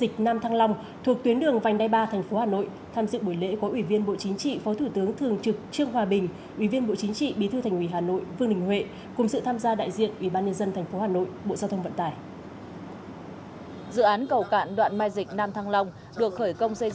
hãy đăng ký kênh để ủng hộ kênh của mình nhé